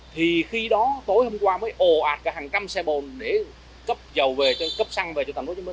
thì khi đó tối hôm qua mới ồ ạt cả hàng trăm xe bồn để cấp xăng về tp hcm